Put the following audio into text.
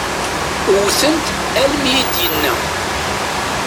Wwten-t almi i d-yenna.